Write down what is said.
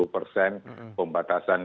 lima puluh persen pembatasan